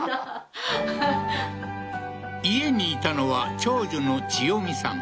家にいたのは長女の千代美さん